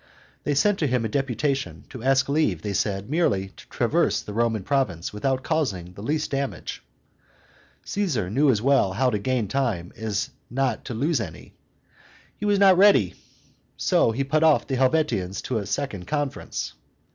They sent to him a deputation, to ask leave, they said, merely to traverse the Roman province without causing the least damage. Caesar knew as well how to gain time as not to lose any: he was not ready; so he put off the Helvetians to a second conference.